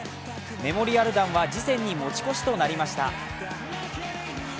メモリアル弾は次戦に持ち越しとなりました。